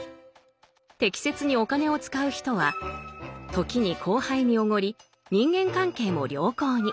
適切にお金を使う人は時に後輩におごり人間関係も良好に。